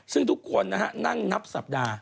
ซึ่งทุกคนนะฮะนั่งนับสัปดาห์